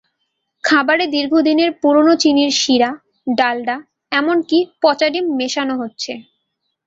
খাবারে দীর্ঘদিনের পুরোনো চিনির সিরা, ডালডা, এমনকি পচা ডিম মেশানো হচ্ছে।